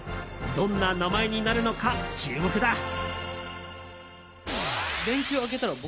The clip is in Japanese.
どんな名前になるのか注目だ。